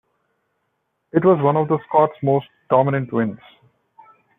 It was one of the Scot's most dominant wins.